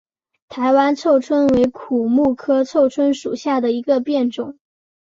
台湾臭椿为苦木科臭椿属下的一个变种。